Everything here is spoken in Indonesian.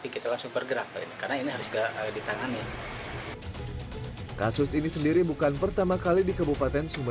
kita kan menunggu suatu hari di desa pak ya